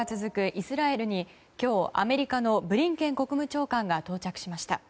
イスラエルに今日、アメリカのブリンケン国務長官が到着しました。